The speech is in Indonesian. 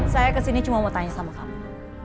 saya kesini cuma mau tanya sama kamu